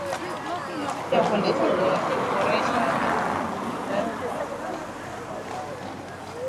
inatakiwa kuendelea kuboresha utendaji kazi wake